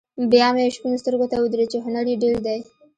بیا مې شپون سترګو ته ودرېد چې هنر یې ډېر دی.